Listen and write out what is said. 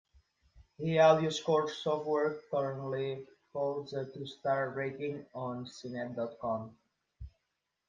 The AudioScore software currently holds a two-star rating on cnet dot com.